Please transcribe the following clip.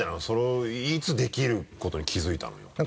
それをいつできることに気づいたのよ？